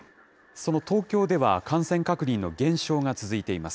その東京では、感染確認の減少が続いています。